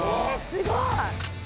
すごい！